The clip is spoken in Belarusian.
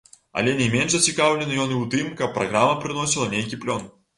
Але не менш зацікаўлены ён і ў тым, каб праграма прыносіла нейкі плён.